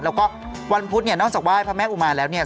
แล้วก็วันพุธนี่นอกจากว่าพระแม่อุมาแล้วนี่